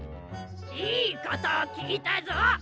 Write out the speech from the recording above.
いいことをきいたぞ。